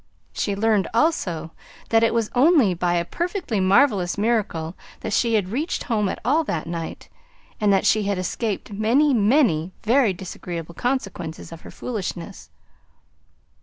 She learned, also, that it was only by a "perfectly marvelous miracle" that she had reached home at all that night, and that she had escaped many, many very disagreeable consequences of her foolishness.